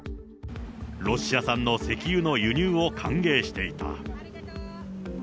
ロシア産の石油の輸入を歓迎していた。